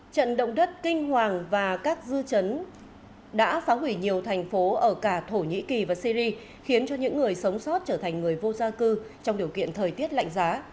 trận động đất kinh hoàng và các dư chấn đã phá hủy nhiều thành phố ở cả thổ nhĩ kỳ và syri khiến cho những người sống sót trở thành người vô gia cư trong điều kiện thời tiết lạnh giá